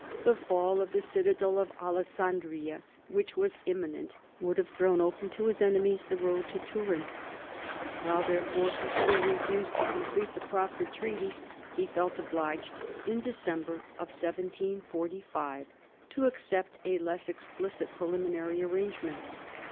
The fall of the citadel of Alessandria, which was imminent, would have thrown open to his enemies the road to Turin. While, therefore, he still refused to complete the proffered treaty, he felt obliged, in December 1745, to accept a less explicit preliminary arrangement.